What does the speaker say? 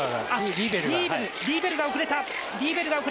リーベルが遅れた。